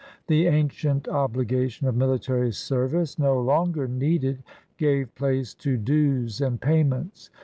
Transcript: The ancient obligation of military service, no longer needed, gave place to dues and payments.